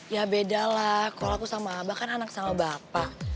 ya beda lah kalau aku sama bahkan anak sama bapak